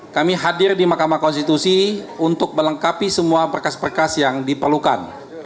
kami hadir di mahkamah konstitusi untuk melengkapi semua berkas berkas yang diperlukan